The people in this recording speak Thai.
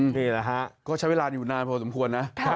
นี่แหละฮะก็ใช้เวลาอยู่นานพอสมควรนะ